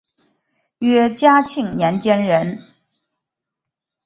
约嘉庆年间人。